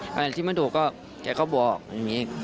อันไหนที่ไม่ถูกก็แกก็บอกอย่างนี้